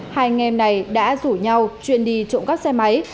hai anh em này đã rủ nhau chuyên đi trộm cắp xe máy